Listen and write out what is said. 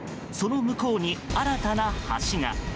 その向こうに新たな橋が。